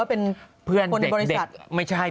เป็นเพื่อนหรือว่าเป็นคนในบริษัท